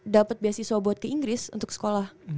dapat beasiswa buat ke inggris untuk sekolah